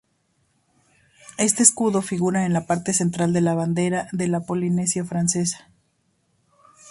Este escudo figura en la parte central de la bandera de la Polinesia Francesa.